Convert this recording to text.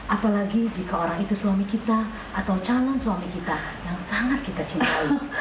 apalagi jika orang itu suami kita atau calon suami kita yang sangat kita cintai